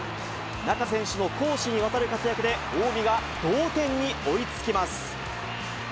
中瀬選手の攻守にわたる活躍で、近江が同点に追いつきます。